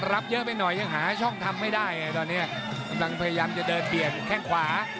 รับเยอะไปหน่อยยังหาช่องทำไม่ได้ไงตอนนี้กำลังพยายามจะเดินเปลี่ยนแข้งขวา